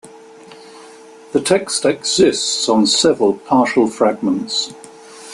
The text exists on several partial fragments.